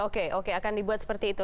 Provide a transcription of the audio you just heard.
oke oke akan dibuat seperti itu